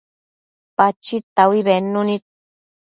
Pachid taui bednu nid